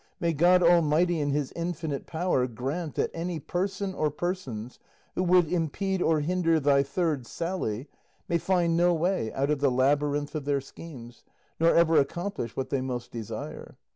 may God Almighty in his infinite power grant that any person or persons, who would impede or hinder thy third sally, may find no way out of the labyrinth of their schemes, nor ever accomplish what they most desire!"